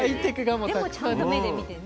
でもちゃんと目で見てね。